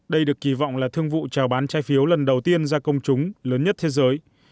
đây được kỳ vọng là thương vụ trào bán trái phiếu lần đầu tiên ra công chúng lớn nhất thế giới